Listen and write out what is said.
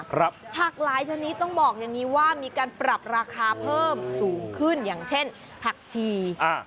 ผักหลายชนิดต้องบอกอย่างนี้ว่ามีการปรับราคาเพิ่มสูงขึ้นอย่างเช่นผักชีอ่า